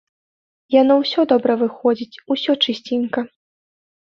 Яно ўсё добра выходзіць, усё чысценька.